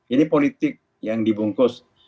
ini politik yang dibungkus